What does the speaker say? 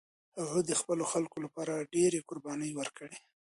هغه د خپلو خلکو لپاره ډېرې قربانۍ ورکړې.